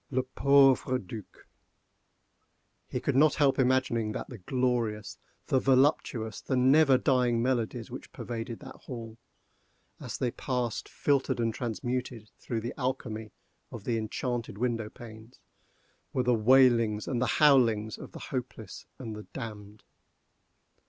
Le pauvre Duc! He could not help imagining that the glorious, the voluptuous, the never dying melodies which pervaded that hall, as they passed filtered and transmuted through the alchemy of the enchanted window panes, were the wailings and the howlings of the hopeless and the damned!